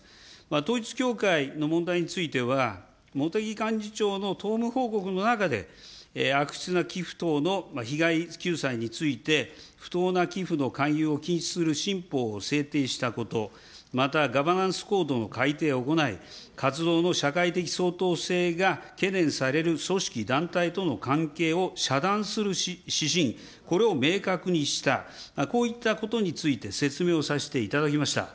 統一教会の問題については、茂木幹事長の党務報告の中で、悪質な寄付等の被害救済について、不当な寄付の勧誘を禁止する新法を制定したこと、またガバナンス・コードの改定を行い、活動の社会的相当性が懸念される組織、団体との関係を遮断する指針、これを明確にした、こういったことについて説明をさせていただきました。